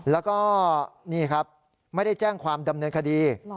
แล้วก็นี่ครับไม่ได้แจ้งความดำเนินคดี